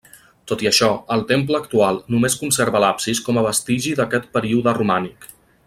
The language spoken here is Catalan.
Tot i això, el temple actual només conserva l'absis com a vestigi d'aquest període romànic.